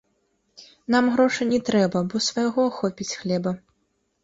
Нам грошай не трэба, бо свайго хопіць хлеба.